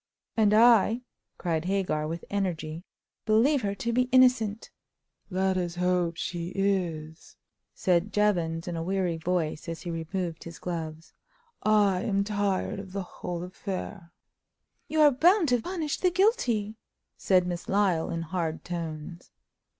"And I," cried Hagar, with energy, "believe her to be innocent!" "Let us hope she is," said Jevons, in a weary voice, as he removed his gloves. "I am tired of the whole affair." "You are bound to punish the guilty!" said Miss Lyle, in hard tones.